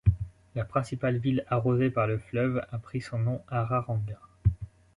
La principale ville arrosée par le fleuve a pris son nom, Araranguá.